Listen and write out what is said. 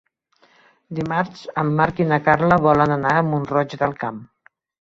Dimarts en Marc i na Carla volen anar a Mont-roig del Camp.